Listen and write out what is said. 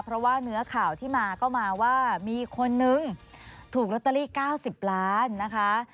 เพราะว่าเนื้อข่าวที่มาก็มาว่ามีคนนึงถูกลอตเตอรี่๙๐ล้านนะคะ